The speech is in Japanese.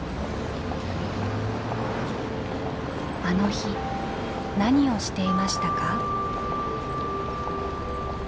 あの日何をしていましたか？